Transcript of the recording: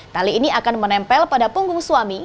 tali ini akan menempel pada punggung suami